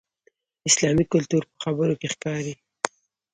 اسلامي کلتور په خبرو کې ښکاري.